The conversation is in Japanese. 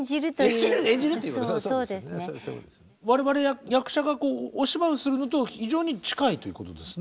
我々役者がお芝居をするのと非常に近いということですね。